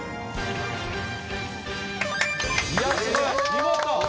見事！